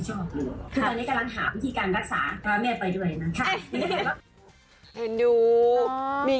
ใช่